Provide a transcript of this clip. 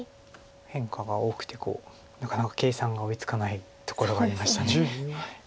変化が多くてなかなか計算が追いつかないところはありました。